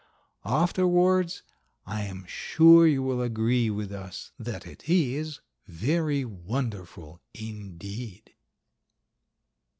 Afterwards I am sure you will agree with us that it is very wonderful indeed.